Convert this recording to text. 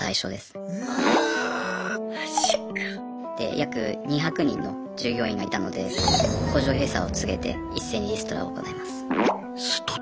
約２００人の従業員がいたので工場閉鎖を告げて一斉にリストラを行います。